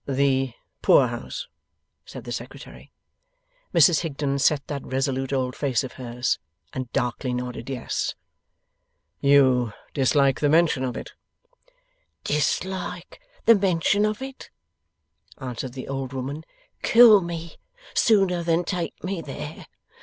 'The Poor house?' said the Secretary. Mrs Higden set that resolute old face of hers, and darkly nodded yes. 'You dislike the mention of it.' 'Dislike the mention of it?' answered the old woman. 'Kill me sooner than take me there.